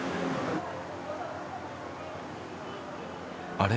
あれ？